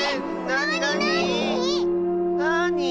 なに？